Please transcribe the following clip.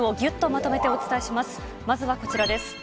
まずはこちらです。